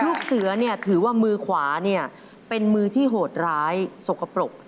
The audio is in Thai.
ลูกเสือถือว่ามือขวาเป็นมือที่โหดร้ายสกปรก